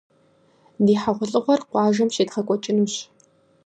Ди хьэгъуэлӀыгъуэр къуажэм щедгъэкӏуэкӏынущ.